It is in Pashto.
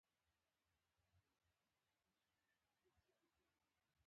سردار مددخان د تيمورشاه په وخت کي د دفاع وزیر وو.